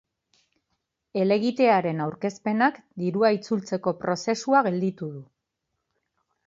Helegitearen aurkezpenak dirua itzultzeko prozesua gelditu du.